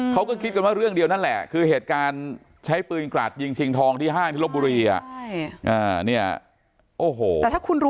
เขาก็คิดกันว่าเรื่องเดียวนั่นแหละคือเหตุการณ์ใช้ปืนกราดยิงชิงทองที่ห้างที่ลบบุรี